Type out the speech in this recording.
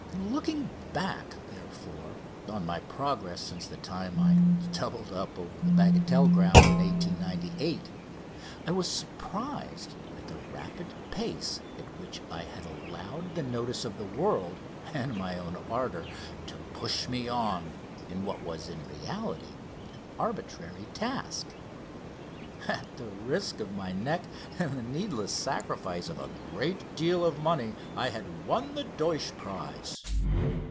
Looking back, therefore, on my progress since the time I doubled up above the Bagatelle grounds in 1898 I was surprised at the rapid pace at which I had allowed the notice of the world and my own ardour to push me on in what was in reality an arbitrary task. At the risk of my neck and the needless sacrifice of a great deal of money I had won the Deutsch prize.